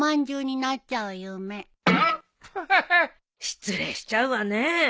失礼しちゃうわね。